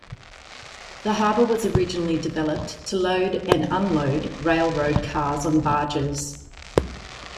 The harbor was originally developed to load and unload railroad cars on barges.